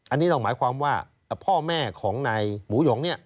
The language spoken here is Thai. อันนี้ต้องหมายความว่าพ่อแม่ของนายหมูหยองเนี่ย